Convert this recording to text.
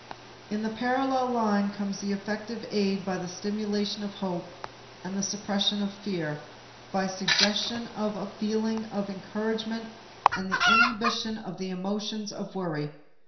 In a parallel line comes the effective aid by the stimulation of hope and the suppression of fear, by suggestion of a feeling of encouragement and the inhibition of the emotions of worry.